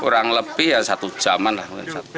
kurang lebih ya satu jaman lah